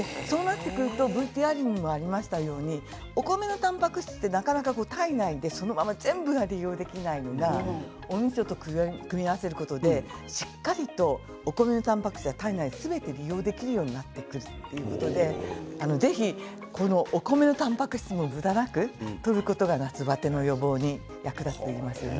ＶＴＲにもありましたようにお米のたんぱく質がなかなか体内でそのまま全部が利用できないのがおみそと組み合わせることでしっかりとお米のたんぱく質が体内ですべて利用できるようになってくるということでぜひお米のたんぱく質もむだなくとることが夏バテの予防に役立ってきますよね。